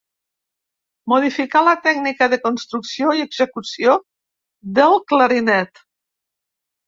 Modificà la tècnica de construcció i execució del clarinet.